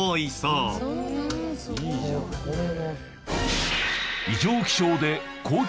いいじゃんこれ。